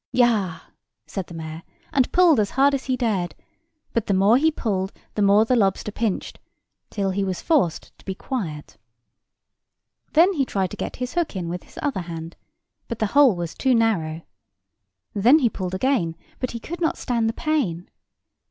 "Yah!" said the mayor, and pulled as hard as he dared: but the more he pulled, the more the lobster pinched, till he was forced to be quiet. Then he tried to get his hook in with his other hand; but the hole was too narrow. Then he pulled again; but he could not stand the pain.